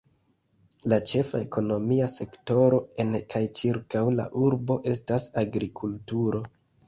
La ĉefa ekonomia sektoro en kaj ĉirkaŭ la urbo estas agrikulturo.